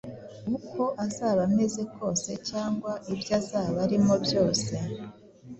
Uko azaba ameze kose cyangwa ibyo azaba arimo byose,